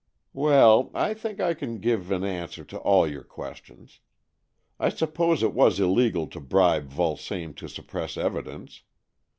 ''" Well, I think I can give an answer to all your questions. I suppose it was illegal to bribe Vulsame to suppress evidence.